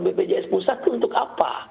bpjs pusat itu untuk apa